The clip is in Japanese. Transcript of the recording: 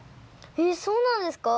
えっそうなんですか。